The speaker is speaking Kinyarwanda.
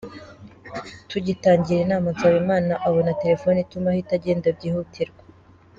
Tugitangira inama Nsabimana abona telefone ituma ahita agenda byihutirwa.